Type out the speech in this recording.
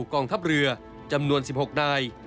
กองทัพเรือจำนวน๑๖นาย